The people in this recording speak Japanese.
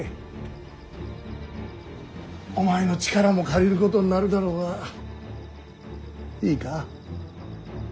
お前の力も借りることになるだろうがいいか。